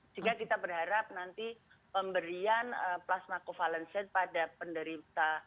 sehingga kita berharap nanti pemberian plasma covalence pada penderita